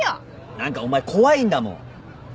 何かお前怖いんだもん。